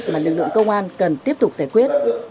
mà lực lượng công an cần tiếp tục giải quyết